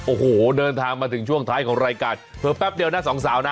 โอ้โหเดินทางมาถึงช่วงท้ายของรายการเผลอแป๊บเดียวนะสองสาวนะ